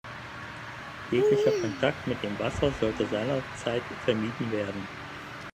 Jeglicher Kontakt mit dem Wasser sollte seinerzeit vermieden werden.